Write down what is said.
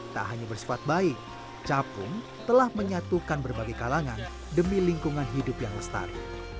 tak hanya bersifat baik capung telah menyatukan berbagai kalangan demi lingkungan hidup yang lestari